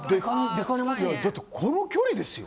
だってこの距離ですよ。